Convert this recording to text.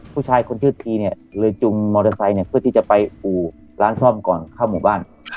ผู้ชายคนชื่อทีเนี่ยเลยจุงมอเตอร์ไซค์เพื่อที่จะไปอู่ร้านซ่อมก่อนเข้าหมู่บ้าน